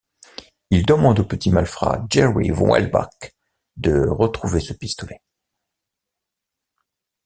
Il demande au petit malfrat Jerry Welbach de retrouver ce pistolet.